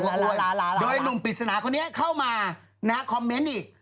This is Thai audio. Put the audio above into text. อ๊อฟแทนตัวเองว่าอ้วนโดยนุ่มปิดสนาคนนี้เข้ามานะครับคอมเมนต์อีก